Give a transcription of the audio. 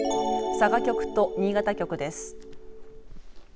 佐賀局と新潟局です。